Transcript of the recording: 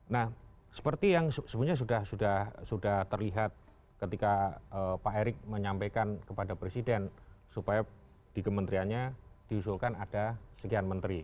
nah seperti yang sebenarnya sudah terlihat ketika pak erick menyampaikan kepada presiden supaya di kementeriannya diusulkan ada sekian menteri